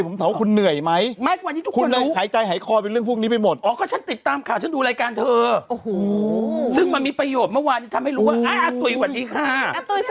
ไม่ไม่มีติดตามกับรายการที่มีประโยชน์ก็ไม่รู้ว่า